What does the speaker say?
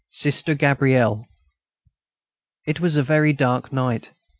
SISTER GABRIELLE It was a very dark night.